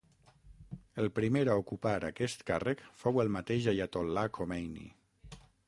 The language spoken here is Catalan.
El primer a ocupar aquest càrrec fou el mateix Aiatol·là Khomeini.